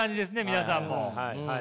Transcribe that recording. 皆さんも。